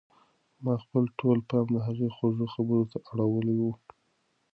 ما خپل ټول پام د هغې خوږو خبرو ته اړولی و.